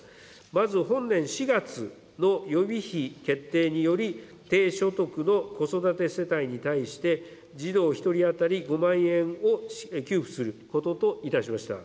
まず、本年４月の予備費決定により、低所得の子育て世帯に対して、児童１人当たり５万円を給付することといたしました。